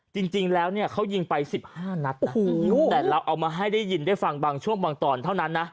จริงแล้วเนี่ยเขายิงไป๑๕นัดนะแต่เราเอามาให้ได้ยินได้ฟังบางช่วงบางตอนเท่านั้นนะ